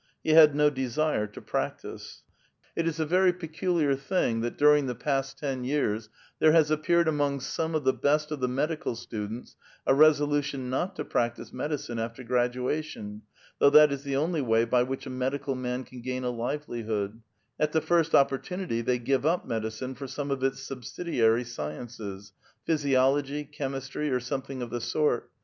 He had no desire to practise. 60 A VITAL QUESTION. It is a very peciiliiir thing that during the past ten j'ears there has appeared among some of tlie best of the medical students a resohition not to practise medicine after gradua tion, tliough that is tlie only way b}' which a medical man can ^ain a livcliliood ; at the first opiK)rtuuity they give up medicine for some of its subsidiary sciences, — physiology, chemistry, or something of the sort.